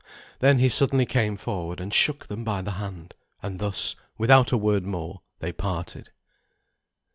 Then he suddenly came forward and shook them by the hand; and thus, without a word more, they parted.